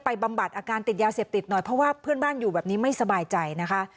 บำบัดอาการติดยาเสพติดหน่อยเพราะว่าเพื่อนบ้านอยู่แบบนี้ไม่สบายใจนะคะ